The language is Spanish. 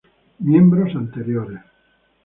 Miembros anteriores.